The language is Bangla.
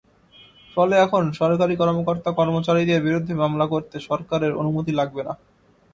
ফলে এখন সরকারি কর্মকর্তা-কর্মচারীদের বিরুদ্ধে মামলা করতে সরকারের অনুমতি লাগবে না।